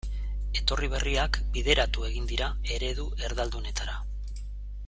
Etorri berriak bideratu egin dira eredu erdaldunetara.